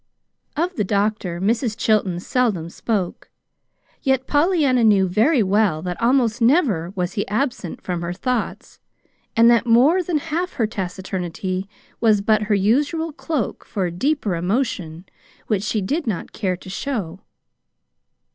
Of the doctor Mrs. Chilton seldom spoke, yet Pollyanna knew very well that almost never was he absent from her thoughts; and that more than half her taciturnity was but her usual cloak for a deeper emotion which she did not care to show.